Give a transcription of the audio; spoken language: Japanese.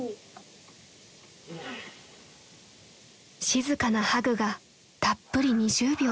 ［静かなハグがたっぷり２０秒］